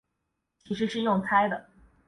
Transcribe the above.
其实是用猜的